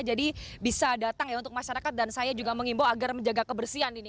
jadi bisa datang ya untuk masyarakat dan saya juga mengimbau agar menjaga kebersihan ini